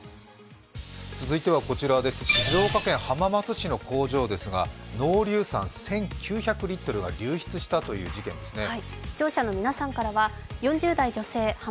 続いては静岡県浜松市の工場ですが濃硫酸１９００リットルが流出したという事件ですね。